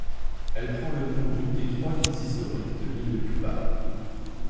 Elle prend le nom d’une des trois villes historiques de l’île de Cuba.